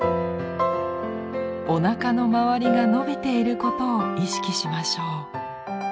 おなかの周りが伸びていることを意識しましょう。